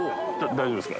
大丈夫ですか？